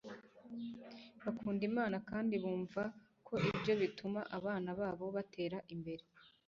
bakunda imana kandi bumva ko ibyo bituma abana babo batera imbere